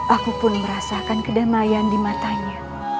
aku pun merasakan kedamaian di matanya